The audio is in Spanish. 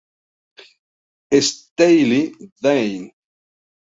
Steely Dan